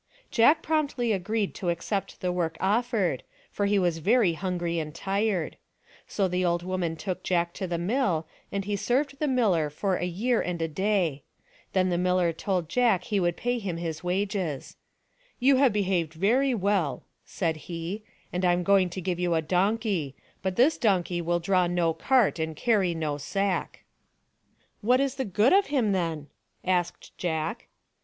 / Jack promptly agreed to accept the work offered, for he was very hungry and tired. So the old woman took Jack to the mill, and he served the miller for a year and a day. Then the miller told Jack he would pay him his wages. "You "9 290 THE DONKEY, THE TABLE, AND THE STICK have behaved very well," said he, " and I am going to give you a donkey, but this donkey will draw no cart and cany no sack." " What is the good of him then ?" asked Jack.